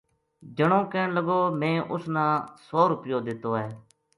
جنو کہن لگو میں اُس نا سو رُپیو دتّو ہے